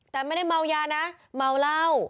แต่ไม่ได้เมายานะเมาเหล้า